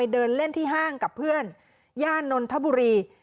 เดินเล่นที่ห้างกับเพื่อนย่านนทบุรี